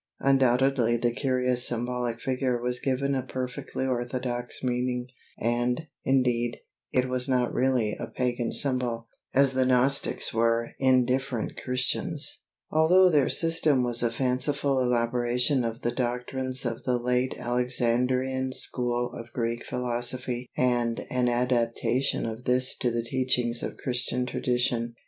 Undoubtedly the curious symbolic figure was given a perfectly orthodox meaning, and, indeed, it was not really a pagan symbol, as the Gnostics were "indifferent Christians," although their system was a fanciful elaboration of the doctrines of the late Alexandrian school of Greek Philosophy and an adaptation of this to the teachings of Christian tradition.